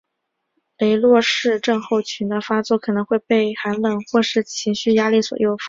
雷诺氏症候群的发作可能被寒冷或是情绪压力所诱发。